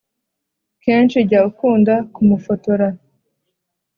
kenshi jya ukunda kumufotora